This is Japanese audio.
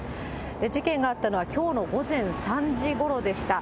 事件があったのはきょうの午前３時ごろでした。